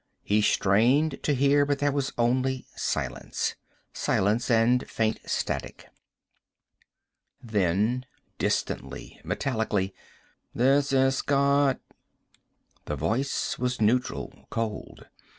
He strained to hear, but there was only silence. Silence, and faint static. Then, distantly, metallically "This is Scott." The voice was neutral. Cold.